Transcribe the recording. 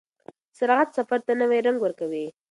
سرعت سفر ته نوی رنګ ورکوي.